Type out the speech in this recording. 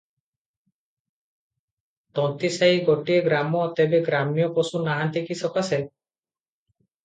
ତନ୍ତୀସାଇ ଗୋଟିଏ ଗ୍ରାମ, ତେବେ ଗ୍ରାମ୍ୟ ପଶୁ ନାହାଁନ୍ତି କି ସକାଶେ?